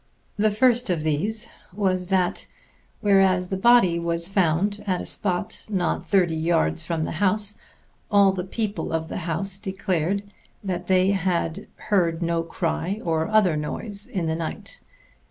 The first of these was that, whereas the body was found at a spot not thirty yards from the house, all the people of the house declared that they had heard no cry or other noise in the night.